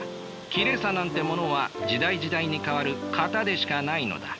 きれいさなんてものは時代時代に変わる型でしかないのだ。